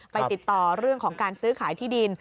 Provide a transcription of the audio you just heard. ติดต่อเรื่องของการซื้อขายที่ดิน